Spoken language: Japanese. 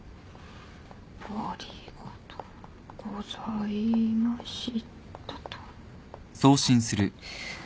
ありがとうございましたと。